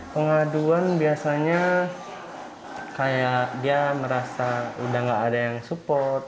pengaduan biasanya kayak dia merasa udah gak ada yang support